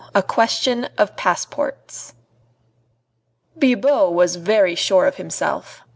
II A QUESTION OF PASSPORTS Bibot was very sure of himself.